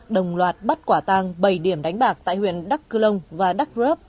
đồng loạt bắt quả tang bảy điểm đánh bạc tại huyện đắk cư lông và đắk rớp